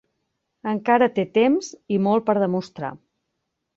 Encara té temps i molt per demostrar.